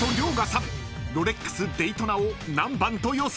［ロレックスデイトナを何番と予想するのか？］